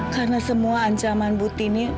karena semua ancaman buti ini